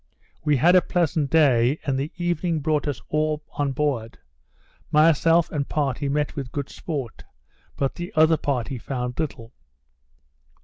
We had a pleasant day, and the evening brought us all on board; myself and party met with good sport; but the other party found little.